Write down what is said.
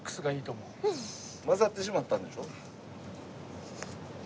混ざってしまったんです。